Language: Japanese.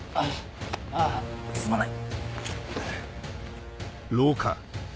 ああすまない。